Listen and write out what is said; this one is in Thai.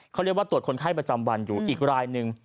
เขาเรียกว่าตรวจคนไข้ประจำวันอยู่อีกรายหนึ่ง